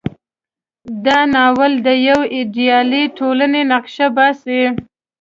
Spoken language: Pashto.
دا ناول د یوې ایډیالې ټولنې نقشه باسي.